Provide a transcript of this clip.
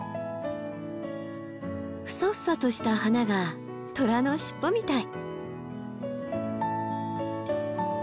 フサフサとした花が虎の尻尾みたい。